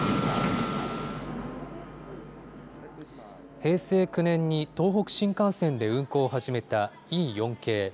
平成９年に東北新幹線で運行を始めたＥ４系。